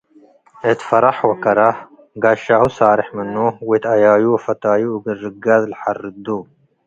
እት ፈረሕ ወከረህ ጋሻሁ ሳሬሕ ምኑ ወእት አያዩ ወፈታዩ እግል ርጋዝ ለሐርዱ ።